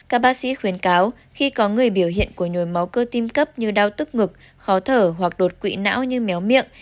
các bác sĩ khuyến cáo khi có người biểu hiện của nhồi máu cơ tim cấp như đau tức ngực khó thở hoặc đột quỵ não như méo miệng